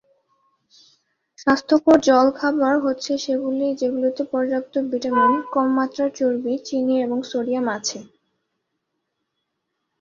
স্বাস্থ্যকর জলখাবার হচ্ছে সেগুলি, যেগুলিতে পর্যাপ্ত ভিটামিন, কম মাত্রার চর্বি, চিনি এবং সোডিয়াম আছে।